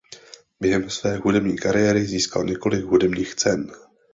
Během své hudební kariéry získal několik hudebních cen.